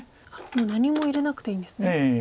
もう何も入れなくていいんですね。